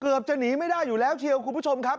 จะหนีไม่ได้อยู่แล้วเชียวคุณผู้ชมครับ